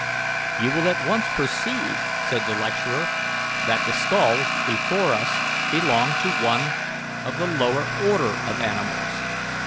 'You will at once perceive,' said the lecturer, 'that the skull before us belonged to one of the lower order of animals.